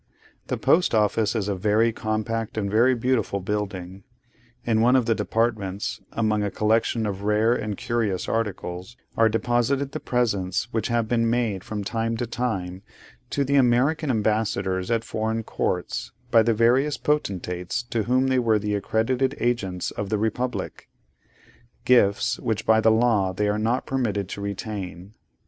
The Post Office is a very compact and very beautiful building. In one of the departments, among a collection of rare and curious articles, are deposited the presents which have been made from time to time to the American ambassadors at foreign courts by the various potentates to whom they were the accredited agents of the Republic; gifts which by the law they are not permitted to retain.